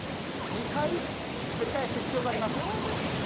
２回ひっくり返す必要があります。